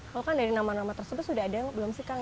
kalau kan dari nama nama tersebut sudah ada belum sih kang